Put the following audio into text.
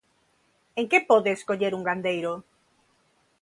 ¿En que pode escoller un gandeiro?